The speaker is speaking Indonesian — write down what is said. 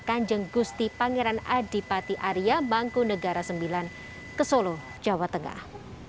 kanjeng gusti pangeran adipati arya bangku negara sembilan ke solo jawa tengah